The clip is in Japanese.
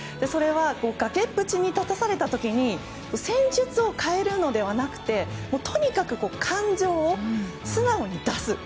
それは崖っぷちに立たされた時に戦術を変えるのではなくてとにかく感情を素直に出す。